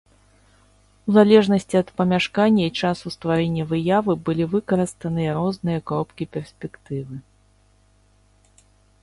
У залежнасці ад памяшкання і часу стварэння выявы былі выкарыстаныя розныя кропкі перспектывы.